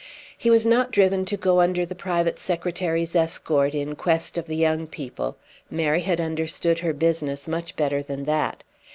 He was not driven to go under the private secretary's escort in quest of the young people. Mary had understood her business much better than that.